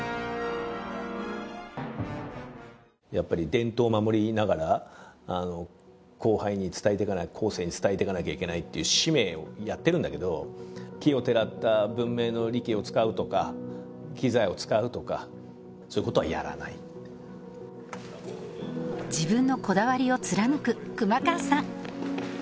やっぱり伝統を守りながらあの後輩に伝えてかな後世に伝えてかなきゃいけないっていう使命をやってるんだけど奇をてらった文明の利器を使うとか機材を使うとかそういうことはやらないって自分のこだわりを貫く熊川さん！